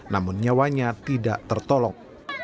namun nyawanya tidak tertolong